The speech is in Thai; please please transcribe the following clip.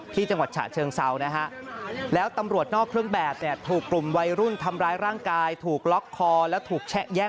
ที่จังหวัดฉะเชิงเซานะฮะ